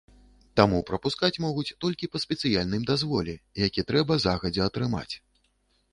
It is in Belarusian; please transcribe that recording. Таму прапускаць могуць толькі па спецыяльным дазволе, які трэба загадзя атрымаць.